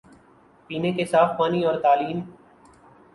پینے کے صاف پانی اور تعلیم